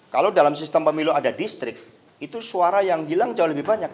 kalau dalam sistem pemilu ada distrik itu suara yang hilang jauh lebih banyak